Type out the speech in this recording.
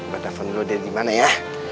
bantah phone lu deh dimana ya